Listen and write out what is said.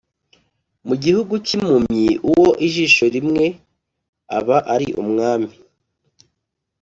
Mu gihugu cy’impumyi uwo ijisho rimwe aba ari umwami.